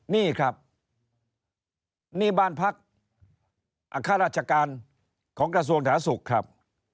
นี่ครับนี่บ้านพรรคอคาราชการของกระทรวงศาสุครับ